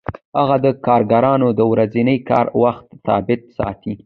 هغه د کارګرانو د ورځني کار وخت ثابت ساتي